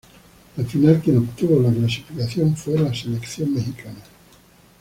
Al final quien obtuvo la clasificación fue la selección mexicana.